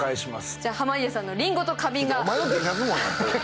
じゃ濱家さんのりんごと花瓶が？